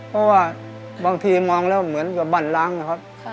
เพราะว่าบางทีมองแล้วเหมือนกับบ้านล้างนะครับ